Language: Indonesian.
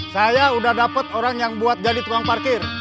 saya udah dapat orang yang buat jadi tukang parkir